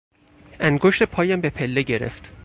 انگشت پایم به پله گرفت.